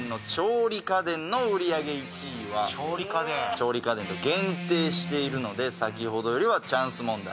調理家電と限定しているので先ほどよりはチャンス問題